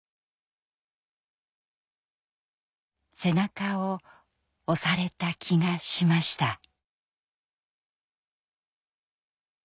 背中を押された気がしました。